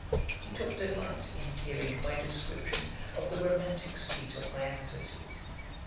He took delight in hearing my description of the romantick seat of my ancestors.